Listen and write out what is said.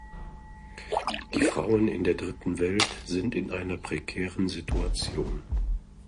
Die Frauen in der Dritten Welt sind in einer prekären Situation.